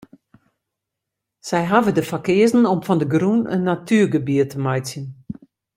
Sy hawwe der foar keazen om fan de grûn in natuergebiet te meitsjen.